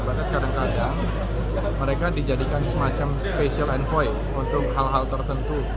bahkan kadang kadang mereka dijadikan semacam special envoy untuk hal hal tertentu